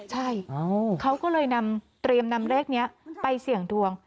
ใช่เขาก็เลยนำเตรียมนำเลขนี้ไปเสี่ยงดวง